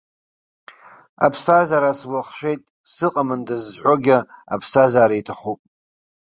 Аԥсҭазаара сгәы ахшәеит, сыҟамындаз зҳәогьы аԥсҭазаара иҭахуп.